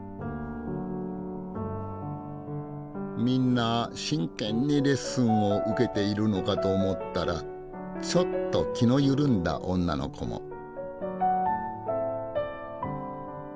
みんな真剣にレッスンを受けているのかと思ったらちょっと気の緩んだ女の子も。